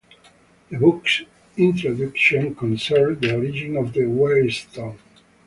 The book's introduction concerns the origin of the weirdstone.